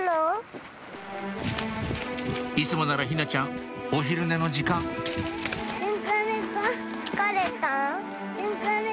いつもなら陽菜ちゃんお昼寝の時間つかれた。